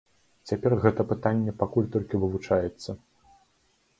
Цяпер гэта пытанне пакуль толькі вывучаецца.